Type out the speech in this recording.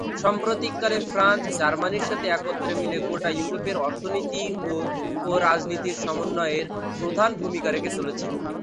সাম্প্রতিককালে ফ্রান্স, জার্মানির সাথে একত্রে মিলে গোটা ইউরোপের অর্থনীতি ও ও রাজনীতির সমন্বয়ে প্রধান ভূমিকা রেখে চলেছে।